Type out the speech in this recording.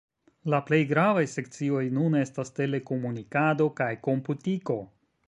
La plej gravaj sekcioj nun estas telekomunikado kaj komputiko.